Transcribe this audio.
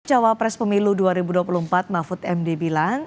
pemilu pemilu jawa pres pemilu dua ribu dua puluh empat mahfud md bilang